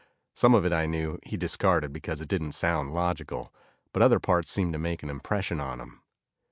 Some of it, I knew, he discarded because it didn't sound logical, but other parts seemed to make an impression on him.